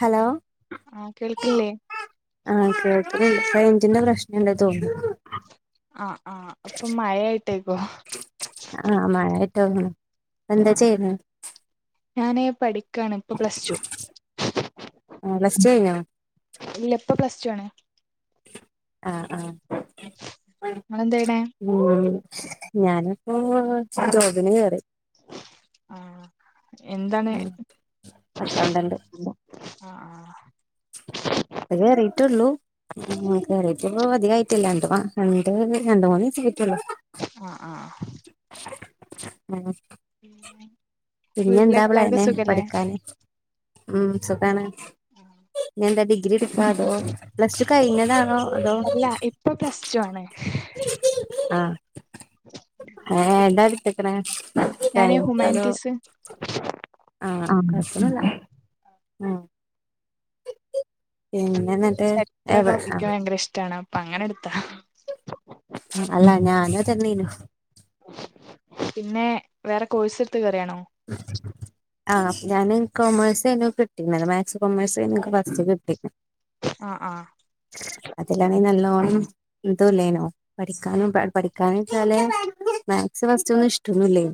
Hello? ആ കേൾക്കില്ലേ? റേഞ്ചിൻ്റെ പ്രശ്നം ഉണ്ടെന്ന് തോന്നുന്നു. ആഹ് ആഹ് അപ്പൊ മഴായിട്ടേക്കും? ആ മഴ [unintelligible] ആ ഞാനേ പഠിക്കാണ് ഇപ്പൊ പ്ലസ് ടു ആഹ് പ്ലസ് ടു കഴിഞ്ഞോ [unintelligible] ഇല്ല ഇപ്പൊ പ്ലസ് റ്റു ആണ് ആ ആ നിങ്ങളെന്താ ചെയ്യണേ ഉം ഞാനിപ്പോ [unintelligible] [unintelligible] ആ എന്താണ് ഉം അക്കൗണ്ടന്റ് ആ ആ അത് കേറിട്ടുള്ളൂ കേറീട്ട് അധികായിട്ടില്ല രണ്ട് രണ്ട് രണ്ട് മൂന്ന് ദ ആ ആ ഉം പിന്നെ വീട്ടിലേക്ക് എന്താവള എല്ലാവർക്കും അനെ സുഖല്ലേ പഠിക്കാന് ഉം സുഖാണ് ഇനി എന്താ ഡിഗ്രി എടുക്കാ അതോ പ്ലസ് ടു കഴിഞ്ഞതാണോ അതോ അല്ല ഇപ്പൊ [unintelligible] ആ ഏതാടുത്തക്കണ് ഞാന് സയൻസ് അതോ ഹ്യൂമാനിറ്റീസ് ആ കോഴപ്പന്നുല്ല ആ എന്നിട്ട് ചരിത്രം എവ [unintelligible] ഭയങ്കര ഇഷ്ടമാണ് അപ്പൊ അങ്ങനെ എടു അല്ലാ ഞാന തന്നീന്നു പിന്നെ വേറെ കോഴ്സ് എടുത്ത് കേറിയാണു ആ ഞാന് കൊമേഴ്സ് ആയിരുന്നു കിട്ടിക്കുന്നത് മാത്‌സ് കൊമേഴ്സ് ആയിരുന്നു എനിക്ക് ഫസ്റ്റ് കിട്ടി അ ആ എന്തല്ലേനോ പഠിക്കാനും പഠിക്കാന വെച്ചാല് മാത്‌സ് ഫസ്റ്റ് ഒന്നും ഇഷ്ടൊന്നുല്ലെ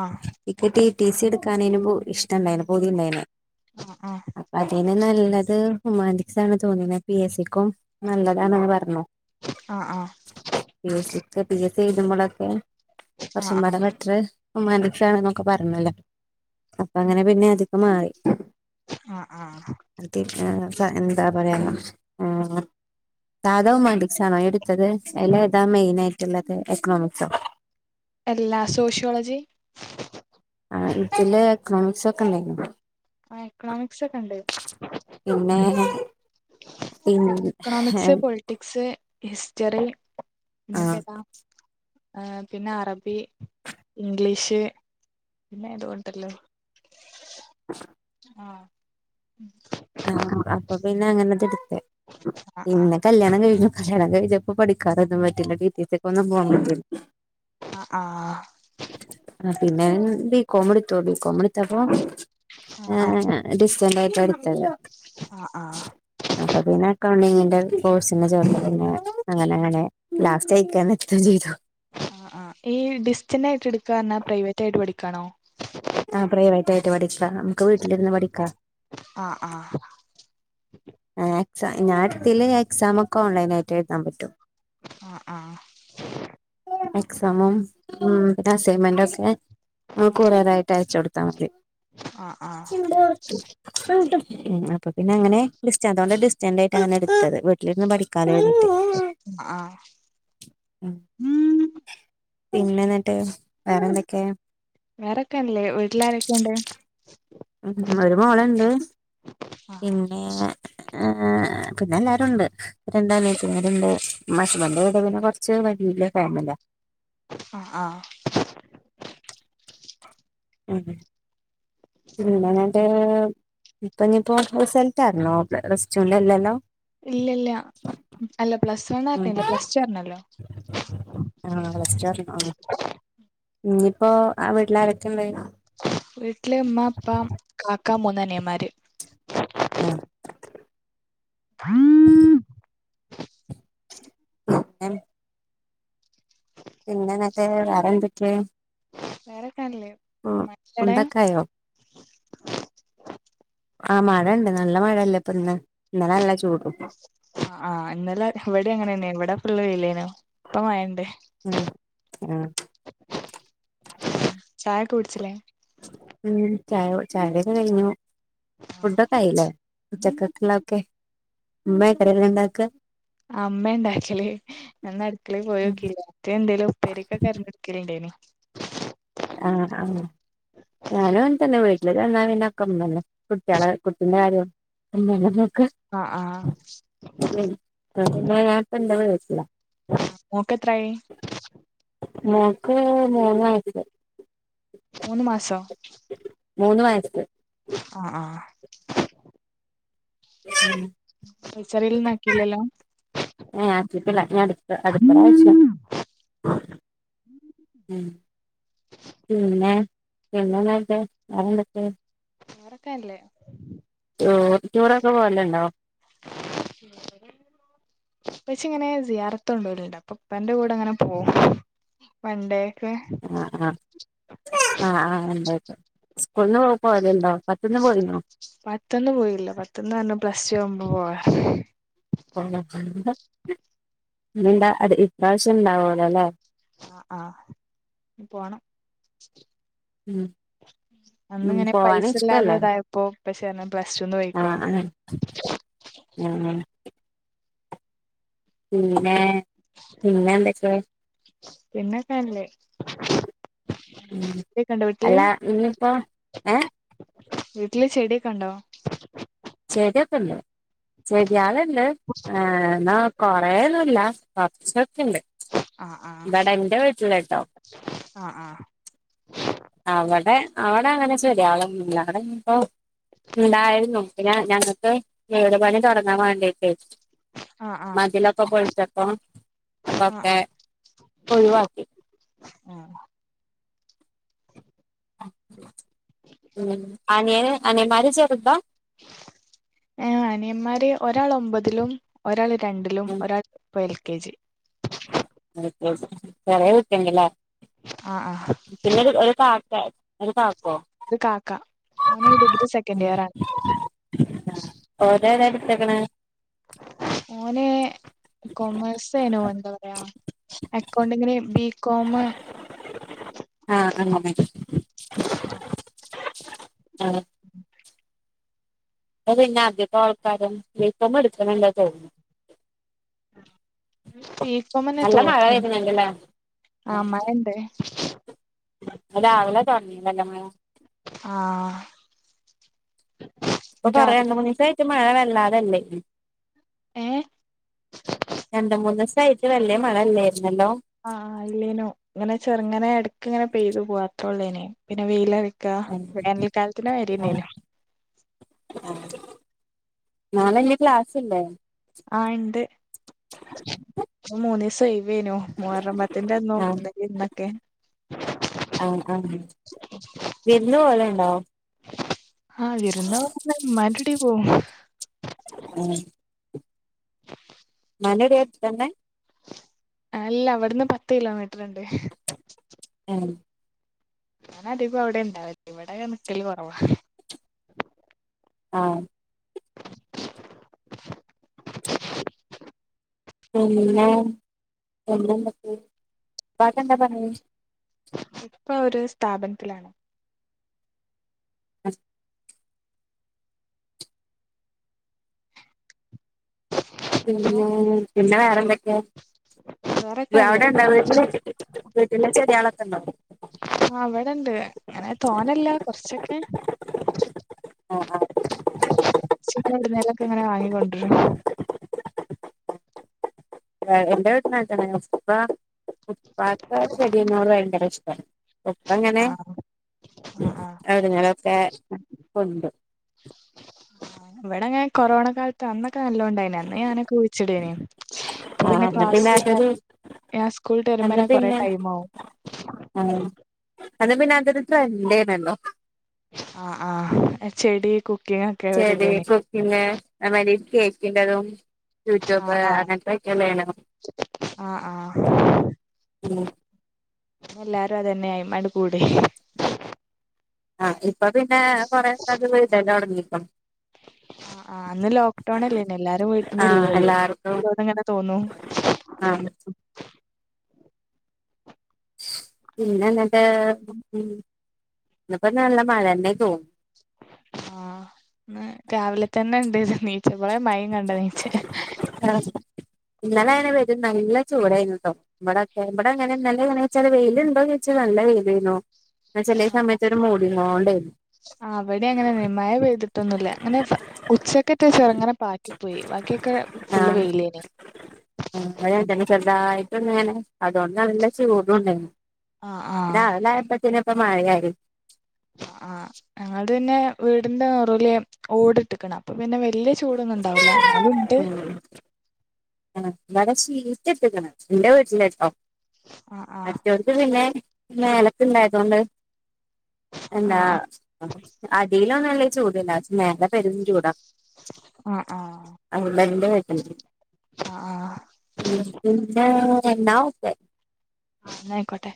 ആഹ് എനിക്ക് ടി ടി സി എടുക്കാൻ അനു ഇഷ്ട ഇണ്ടായിന് പൂതി ഇണ്ടായ ആ ആ നല്ലത് ഹ്യുമാനിറ്റീസ് ആണ് തോന്നി പിന്നെ പി എസ് സിക്കും നല്ലതാണന്ന് പറഞ്ഞു അ ആ പിന്നെ പി എസ് സി എഴുതുമ്പോളക്കെ ആഹ് കുറച്ചും കൂടെ ബെറ്ററ് ഉമാൻന്റിസ് ആണെ എന്നൊക്കെ പറഞ്ഞല്ലോ അപ്പൊ അങ്ങനെ പിന്നെ അതൊക്കെ മാറി ആഹ് ആഹ് ആഹ് അടുത്തെ ആ സ എന്താ പറയാനാ ആ സാധാ ഹുമാന്റീസ് ആണോ എടുത്തത് എല്ലാ അതാ മെയിൻ ആയിട്ടുള്ളത് എക്കണോമിക്സോ അല്ല സോഷ്യോളജി ആ ഇതില് എക്കണോമിക്സ് ഒക്കെ ഇണ്ടായിനോ ആ എക്കണോമിക്സ് ഒക്കെ ഉണ്ട് പിന്നെ പിന്നെ എക്കണോമിക്സ് പൊളിറ്റിക്സ് ഹിസ്റ്ററി ആ പിന്നെപ്പ ഏതാ പിന്നെ അറബി ഇംഗ്ലീഷ് പിന്നെ ഇതു ഒണ്ടല്ലോ ആ ആ അപ്പൊ പിന്നെ അങ്ങനത് എടുത്തെ ആഹ് ആഹ് പിന്നെ കല്യാണം കഴിഞ്ഞു കല്ല്യാണം കഴിഞ്ഞപ്പ പഠിക്കാനൊന്നും പറ്റില്ല ടി ടി സി ക്കൊന്നും പോകാൻ പറ്റിയില്ല ആ ആ ആഹ് പിന്നെ ബി കോം എടുത്തു ബി കോം എടുത്തപ്പോ ആഹ് ഡിസ്റ്റൻറ് ആയിട്ടാ എടുത്തെ ആഹ് അപ്പൊ പിന്നെ അക്കൗണ്ടിങ്ങിന്റെ കോഴ്സിന് ചേർത്ത് പിന്നെ അങ്ങനെ അങ്ങനെ ലാസ്റ്റ് അയിക്കാൻ നേരത്തും ചെയ്തു ആ ആ ഈ ഡിസ്റ്റൻറ് ആയിട്ട് എടുക്കാന് പ്രൈവറ്റ് ആയിട്ട് പഠിക്കാണോ ആ പ്രൈവറ്റ് ആയിട്ട് പഠിക്ക നമുക്ക് വീട്ടിലിരുന്ന് പഠിക്കാം ആഹ് ആഹ് ആ എക്സാം ഞാൻ ഇതിലെ എക്സാം ഒക്കെ ഓൺലൈൻ ആയിട്ട് എഴുതാൻ പറ്റും ആ ആ എക്സാമും ഉം പിന്നെ അസൈൻമെന്റ് ഒക്കെ കൊറിയറായിട്ട് അയച്ച് കൊടുത്താ മതി ആഹ് ആഹ് അപ്പൊ പിന്നെ അങ്ങനെ ഡിസ്റ്റൻറ് ഉള്ളണ്ട് ഡിസ്റ്റൻറ് ആയിട്ടാണു എടുത്തത് വീട്ടിൽരുന്ന് പഠിക്കാ ആഹ് ഉം ഉം പിന്നെ എന്നിട്ട് വേറെന്തൊക്കെയ വേറെക്കെയാണല്ലേ വീട്ടിലാരൊക്കെയണ്ട് ഉം ഒരു മോളണ്ട് ആഹ് പിന്നെ പിന്നെ എല്ലാരും ഉണ്ട് രണ്ട് അനിയത്തിമാരുണ്ട് മശുബന്റെ വിടവിനെ കുറച്ച് വലിയ ഇല്ല കാമല്ലാ ആ ആ ഉം ഉം [unintelligible] ഇപ്പൊ ഇനിയിപ്പോ റിസൾട്ട് അറിന്നോ പ്ലസ്ടുൻ്റെ അല്ലല്ലോ ഇല്ല ഇല്ല അല്ല പ്ലസ് ഉം [unintelligible] പ്ലസ്ടു അറിണല്ലോ ആഹ് പ്ലസ് ടു അറിഞ്ഞോ ആഹ് ഇനിയിപ്പോ വീട്ടിലാരൊക്കെന്തായി വീട്ടില് ഉമ്മാ ഉപ്പ കാക്ക മൂന്ന് അനിയൻമാര് [unintelligible] പിന്നനക്കെ വെറേ എന്തക്കെയാ വേറെക്കാണല്ലേ മക്കടെ ഫുഡൊക്കെ ആയോ ആ മഴ ഉണ്ട് നല്ല മഴല്ലേ ഇപ്പൊ ഇന്ന് ഇന്നലെ നല്ല ചൂടും ആ ആ ഇന്നലെ ഇവിടെ അങ്ങനെന്നെയണ് ഇവിടെ ഫുള്ള് വെയിലെനോ ഇപ്പം മഴ ഇണ്ട് ഉം ചായക്കെ കുടിച്ചില്ലേ ഉ ചായ ചായയുടിക്കെ കഴിഞ്ഞു ഫുഡൊക്കെ ആയില്ലേ ഉച്ചക്കക്കെള്ള ഒക്കെ ഉമ്മയ കറിയെല്ലാം ഉണ്ടാക്ക അമ്മ ഉണ്ടാക്കില്ലേ നന്ന് അടുക്കള പോയി നോക്കില്ലാ മറ്റേഎന്തേലും ഉപ്പേരിക്കെ അരിഞ്ഞ് കെടുക്കലുണ്ടേന്ന് ആ ആ ഞാനും അങ്ങനെ തന്നെ വീട്ടില്ചെന്നലമ്മന്നെഎല്ലാം കുട്ടികളെ കുട്ടൻ്റെ കാര്യം ഓർ അന്നേരം ആ ആ [inaudible] എന്ന ഞാനിപ്പ എന്താ വി [unintelligible] മോക്ക് എത്രയായി മോക്ക് മൂന്ന് വയസ് മൂന്ന് മാസോ മൂന്ന് വയസ്സ് ആ ആ [inaudible] വിൽ ചെയറിൽ നടക്കില്ലല്ലോ [unintelligible] അതാ പ്രശ്‌നം ആ ഉം പിന്നെ പിന്നയന്ത്ക്കെ വേറെന്തൊക്കെ ഉറക്കല്ലേ ആ ഓഡിറ്റോറിയക്കെ മേളിലുണ്ടാവു [inaudible] പക്ഷ ഇങ്ങനെ സിയാറത്ത് ഉള്ളവരുണ്ട് ഉപ്പാൻ്റെ കൂടെ അങ്ങനെ പോവും പണ്ട് ആ ആ ആ ആ എന്തക്കെ സ്കൂളന്ന് പോ പോകലുണ്ടോ പത്തിന്ന് പോകലുണ്ടോ പത്ത്ന്ന് പോയില്ല പത്തന്ന് തന്നെ പ്ലസ് റ്റു ആവുമ്പോ പോവാന്ന് [unintelligible] ഇണ്ടാ അത് ഇപ്രാവശ്യം ഇണ്ടാവു വല്ലേ ആ ആ പോണം ഉം അന്ന് ഉം ഇങ്ങനെ പോവാന് പൈസ ഇല്ലാതെ ഇഷ്ടല്ലേ ഇതായപ്പോ ആ ആ ഉ ഉം പിന്നെ പിന്നെന്തെക്കെ പിന്നെക്കെ നല്ലേ ഉം അല്ല ഇഞ്പ്പം ഏഹ് വീട്ടില് ചെട്യൊക്കെണ്ടോ? ചെട്യൊക്കെണ്ട് ചെട്യാള് ണ്ട് ഏഹ് ന്ന കൊറേന്നുല്ല കൊർച്ചൊക്കെണ്ട്. ആഹ് ആഹ് ഇബടെ ഇന്റെ വീട്ടില് ട്ടോ ആഹ് അവടെ അവടങ്ങനെ ചെട്യാളൊന്നുല്ല അവടെ ഞ്പ്പൊ ഇണ്ടായാലും നോക്കൂല ഞങ്ങക്ക് വീട് പണി തൊടങ്ങാൻ വാണ്ടിട്ടേ ആഹ് ആഹ് മതിലൊക്കെ പോള്ച്ചപ്പോ ആഹ് അപ്പൊക്കെ ഒഴിവാക്കി ഉം ഉം അനിയന് അനിയൻമാര് ചെർതാ? എഹ് അനിയൻമാര് ഒരാളൊമ്പതിലും ഒരാളെ രണ്ടിലും ഉം ഒരാള് പ്പോ L K G L K G ചെറ്യേ കുട്ടിണ്ട്ല്ലെ. ആഹ് ആഹ് പിന്നൊര് ഒര് കാക്കെ ഒര്ക്കാക്കോ? ഇത് കാക്ക ഓന് ഡിഗ്രി സെക്കൻഡിയറാണ്. ആഹ് ഓനേതാട്ത്ത്ക്ക്ണെ? ഓന് കൊമേഴ്സ്നോ എന്താ പറയാ അക്കണ്ട്ങ്ങ്ന് ബി [inaudible] ആ ആ [inaudible] [inaudible] ആ അത്പിന്നെ ആദ്യപ്പോ കാര്യം ഇപ്പം എടുക്കണല്ലന്ന് തോന്നുന്നു ആഹ് ഈ ബി കൊമ് എന്നാ നല്ല മഴ തോന്നുന്നത് വരുന്നുണ്ടല്ലേ ആ അമ്മയി ഉണ്ട് ഇന്ന് രാവിലെ തൊറന്നില്ലല്ലോ അമ്മായി ആഹ് ഇപ്പൊ കൊറെ രാവിലെ രണ്ട് മൂന്നീസായിട്ട് മഴ വെല്ലാതെയല്ലേ ഏഹ് രണ്ട് മൂന്നീസായിട്ട് വല്യ മഴവല്ലേ ആ ആല്ലേനു ഇങ്ങനെ ചെറുങ്ങനെ എടക്ക്‌യിങ്ങനെ പെയ്തു പോവാത്രേഒള്ളേനി പിന്നെ വെയില് ആഹ് വേനൽക്കാലത്തിനു വരിയാന്നെലോ നാളെ ഇഞ്ഞി ക്ലാസ്ല്ല്ലേ ആ ഇണ്ട് ഇന്ന് മൂന്ന് ദിവസം ആയി വേനു മൂഹറമ്പത്തിന്റെ അന്നോ ആഹ് എന്തൊക്കെയാ ഒണ്ടാക്കിയേ ആ [unintelligible] വിരുന്നുപോവല് ഒണ്ടോ ആ വിരുന്ന് പോവും ഉമ്മാന്റെ അവിടെപോകും യാ [unintelligible] ഉം [inaudible] [unintelligible] അല്ല ഇവിടുന്ന് പത്ത് കിലോമീറ്ററുണ്ട് ഉം ഞാനതികം അവിടെണ്ടാവല് ഇവിടെ നിക്കല് കൊറവാ ആഹ് പിന്നെ പിന്നെന്തൊക്കെ ഉപ്പാക്കെന്താ പണി ഇപ്പോ ഒരു സ്ഥാപനത്തിലാണ് ഹലോ പിന്നെ പിന്നെ വേറെന്തൊക്കെയാ വേറെക്കെ നല്ലേ അവിടെണ്ടോ വീട്ടില് വീട്ടില് ചെട്യളൊക്കെണ്ടോ ആഹ് ഇവിടെണ്ട് ഇങ്ങനെ തോനല്ല കൊറച്ചൊക്കെ ആഹ് [unintelligible] ങ്ങനെ വാങ്ങിക്കൊണ്ടരും [unintelligible] ചെടിയ്ന്നോട് ഭയങ്കര ഇഷ്ട്ടാ ഇപ്പ ഇങ്ങനെ ആഹ് ആഹ് ആഹ് അവര്ങ്ങനോക്കെ കൊണ്ട് ഇവിടെങ്ങനെ കൊറോണ കാലത്ത് അന്നൊക്ക ക്ക നല്ലോണ്ടായിനി അന്ന് ഞാനൊക്കെ കുഴിച്ചിടേനി ഇപ്പൊ ആ പിന്നെ അന്ന് ക്ലാസ് അതൊരു ഞാൻ സ്കൂൾട്ട് അന്ന് വരുമ്പന്നെ കൊറെ പിന്നെ ടൈം ആവും ആ അത് പിന്നെ അതൊരു ട്രെൻയ്നില്ലോ ആ ആ ചെടി കു ചെടി കുക്കിങ് അതേമായ്രി കേക്ക്ന്റതും യൂട്യൂബ് ആഹ് ആഹ് അങ്ങൻത്തൊക്കെ വേണം ആഹ് ആഹ് ഉം എല്ലാരും അതന്നെ അയ്മണ്ട് കൂടി ആ ഇപ്പൊ പിന്നെ കൊറെകത് വ്ടല് തൊടങ്ക്ണു ആ ആ അന്ന് ലോക്ക്ഡൗണ് അല്ലേനോ എല്ലാരും വീട്ടിന്റെ ആ ഉള്ളിലല്ലേ എല്ലാർക്കും ഓരോന്ന്ങ്ങനെ തോന്നും ആ പിന്നെ ന്ന്ട്ട് ഇന്ന് ഇപ്പം നല്ല മഴന്നെ തോന്ന് ആ ന്ന് രാവിലെ തന്നെണ്ട് നീച്ചപ്പളെ മയിം കണ്ട നീച്ചേ ഇന്നലെ അങ്ങനെ ഇവടിം നല്ല ചൂടായിരുന്നു ട്ടോ ഇവിടെക്കെ ഇവടെ അങ്ങനെ ന്നലെ എങ്ങനെച്ചാല് വെയില്ണ്ടോന്ന് ചോയ്ച്ചാ വെയ്ലെനു ആ ആ ഇവടെ അങ്ങനെയ്ന് മഴ പെയ്ത് പറ്റൊന്നല്ല അങ്ങനെ ഉച്ചക്കറ്റെ ചെർങ്ങനെ പാറ്റി പോയി വാക്കി ഒക്കൊ ഫുള്ള് വെയിലേനി ഉം [unintelligible] [unintelligible] അതുകൊണ്ട് നല്ല ചൂടുംണ്ടാഴിനി ആ ആ രാവിലായപ്പ ന്ന് മഴ യാഴി ആ ഞങ്ങൾത് പിന്നെ വീടിന്റെ നെറൂല് ഓട് ട്ട്ക്ക്ണ് അപ്പ പിന്നെ വ ല്യ ചൂടൊന്നുണ്ടാവൂല ന്നാലുംണ്ട് ഇവടെ ഷീറ്റ് ഇട്ട്ക്ണ് ഇന്റെ വീട്ടില്ട്ടോ ആ ആ മറ്റോട്ത്ത് പിന്നെ മേലക്ക് ഇണ്ടായതോണ്ട് ആ എന്താ ആ അടിയിലൊന്നും ല്ല ചൂട്ല്ല മേലെ പെരും ചൂടാ ആ ആ ഉം ആ ആ പിന്നെ രണ്ടാമത്തെ ന്നാ യ്ക്കോട്ടെ